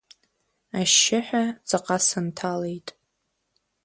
Ашьшьыҳәа ҵаҟа сынҭалеит.